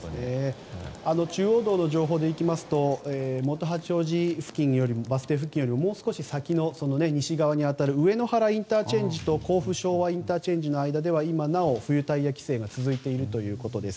中央道の情報でいきますと元八王子バス停付近よりももう少し先のその西側に当たる上野原ＩＣと甲府昭和ＩＣの間では今なお、冬タイヤ規制が続いているということです。